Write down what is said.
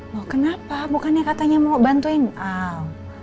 loh kenapa bukannya katanya mau bantuin oh